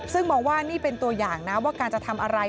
ซึ่งมองว่านี่เป็นตัวอย่างนะว่าการจะทำอะไร